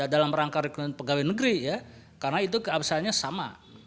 dalam rangka pengganti negeri karena itu keabsahannya sama